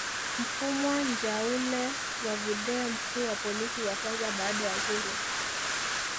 Mfumwa Njaule wa Vudee mkuu wa polisi wa kwanza baada ya uhuru